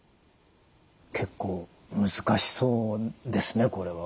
結構難しそうですねこれは。